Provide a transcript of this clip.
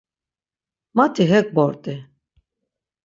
Mati hek bort̆i.